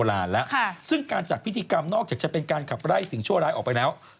ที่การจัดพิธีกรรมนอกจะเป็นการขับใดบาปเป็นสิ่งชั่วร้ายออกไปแล้ว